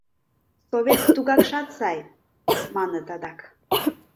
Совет тугакшат сай... — маныт адак.